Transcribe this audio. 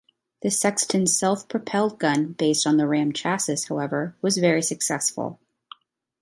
The Sexton self-propelled gun based on the Ram chassis, however, was very successful.